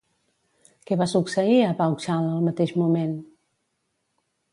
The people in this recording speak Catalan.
Què va succeir a Vauxhall al mateix moment?